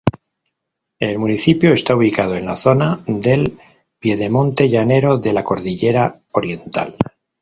El municipio está ubicado en la zona del piedemonte llanero de la cordillera Oriental.